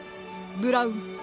ブラウン。